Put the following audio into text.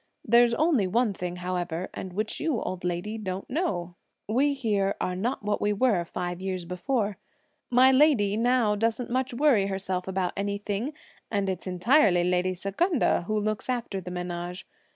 There's only one thing, however, and which you, old lady, don't know. We here are not what we were five years before. My lady now doesn't much worry herself about anything; and it's entirely lady Secunda who looks after the menage.